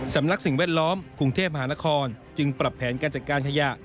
สำนักสิ่งแวดล้อมกรุงเทพมหานครจึงปรับแผนการจัดการขยะ